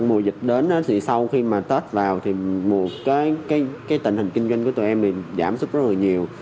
mùa dịch đến thì sau khi mà tết vào thì một cái tình hình kinh doanh của tụi em thì giảm xuất rất là nhiều